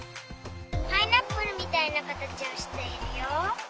パイナップルみたいなかたちをしているよ。